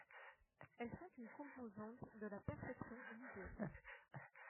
Elles sont une composante de la perception visuelle.